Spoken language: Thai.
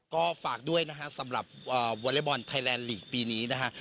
ก็ฝากด้วยนะฮะสำหรับวอเล็กบอลไทยแลนดลีกปีนี้นะฮะ